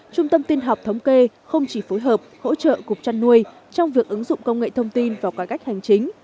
trung tâm tiên học thống kê không chỉ phối hợp hỗ trợ cục chăn nuôi trong việc ứng dụng công nghệ thông tin vào cải cách hành chính